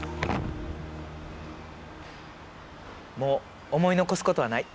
もう思い残すことはない。